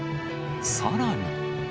さらに。